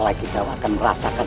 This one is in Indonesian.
nanti kita akan merasakan